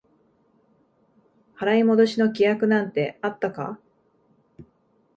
払い戻しの規約なんてあったか？